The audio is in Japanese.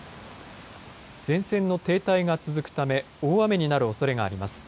前線の停滞が続くため大雨になるおそれがあります。